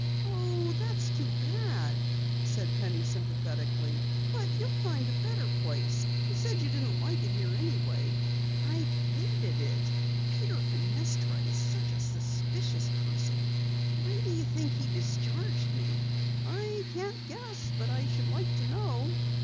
"Oh, that's too bad," said Penny sympathetically. "But you'll find a better place. You said you didn't like it here anyway." "I've hated it. Peter Fenestra is such a suspicious person. Why do you think he discharged me?" "I can't guess, but I should like to know."